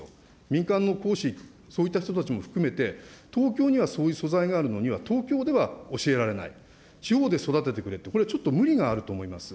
民間の講師、そういった人たちも含めて、東京にはそういう素材があるのに、東京では教えられない、地方で育ててくれって、これ、ちょっと無理があると思います。